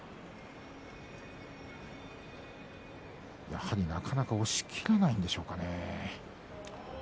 やはり、なかなか押しきれないんでしょうか？